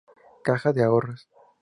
Caja de Ahorros.